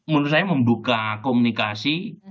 menurut saya membuka komunikasi